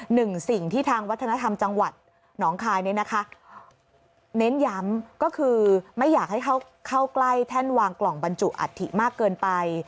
หนึ่งสิ่งที่ทางวัฒนธรรมจังหวัดหนองคายเนี่ยนะคะเน้นย้ำก็คือไม่อยากให้เข้าใกล้แท่นวางกล่องบรรจุอัฐิมากเกินไป